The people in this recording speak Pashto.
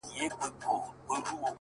ښكلي چي گوري’ دا بيا خوره سي’